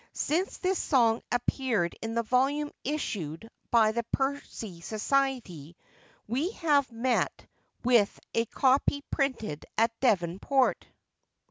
Since this song appeared in the volume issued by the Percy Society, we have met with a copy printed at Devonport.